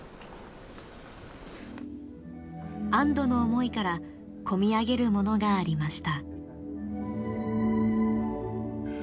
安どの思いから込み上げるものがありました。